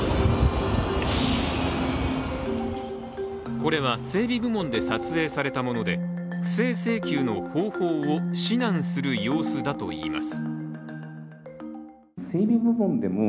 これは整備部門で撮影されたもので不正請求の方法を指南する様子だといいます。